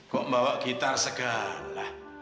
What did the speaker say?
kok membawa gitar segala